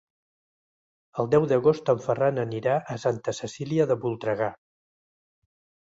El deu d'agost en Ferran anirà a Santa Cecília de Voltregà.